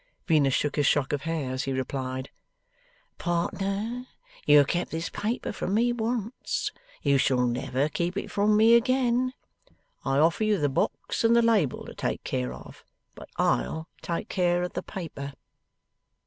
Venus shook his shock of hair as he replied, 'Partner, you have kept this paper from me once. You shall never keep it from me again. I offer you the box and the label to take care of, but I'll take care of the paper.